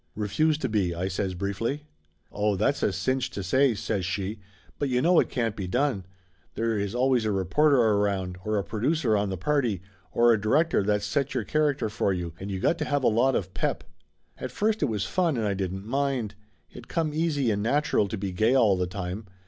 "Refuse to be," I says briefly. "Oh, that's a cinch to say!" says she. "But you know it can't be done. There is always a reporter around, or a producer on the party, or a director that's set your character for you, and you got to have a lot of pep ! At first it was fun and I didn't mind. It come easy and natural to be gay all the time.